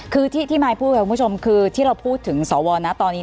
คือที่มายพูดครับคุณผู้ชมคือที่เราพูดถึงสวนะตอนนี้แล้วอยากให้แก้ปิดเบอร์